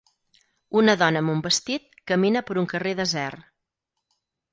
Una dona amb un vestit camina per un carrer desert.